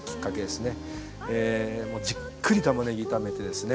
じっくりたまねぎ炒めてですね